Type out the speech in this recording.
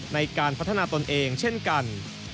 ในการพัฒนาตนเองเช่นกัน